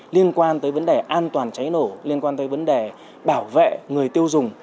liên quan tới vấn đề an toàn cháy nổ liên quan tới vấn đề bảo vệ người tiêu dùng